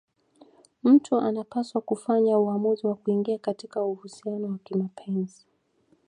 Mtu anapaswa kufanya uamuzi wa kuingia katika uhusiano wa kimapenzi